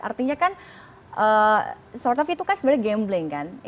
artinya kan sort off itu kan sebenarnya gambling kan